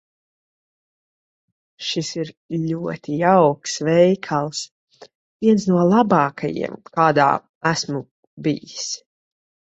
Šis ir ļoti jauks veikals. Viens no labākajiem, kādā esmu bijis.